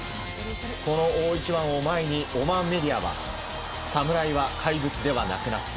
この大一番を前にオマーンメディアはサムライは怪物ではなくなった。